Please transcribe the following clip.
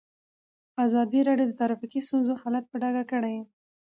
ازادي راډیو د ټرافیکي ستونزې حالت په ډاګه کړی.